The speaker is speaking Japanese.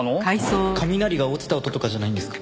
雷が落ちた音とかじゃないんですか？